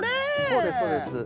そうですそうです。